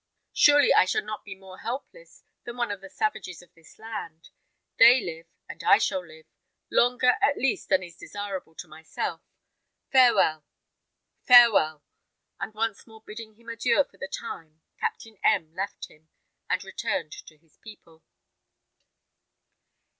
Surely I shall not be more helpless than one of the savages of this land. They live, and I shall live; longer, at least, than is desirable to myself. Farewell, farewell!" And once more bidding him adieu for the time, Captain M left him, and returned to his people.